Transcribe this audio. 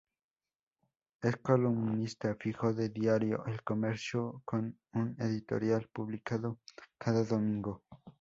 Es columnista fijo de diario El Comercio, con un editorial publicado cada domingo.